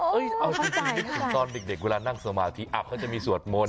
เอ่ยเอาทีนี้คือตอนเด็กเวลานั่งสมาธีอะเค้าจะมีสวดมนต์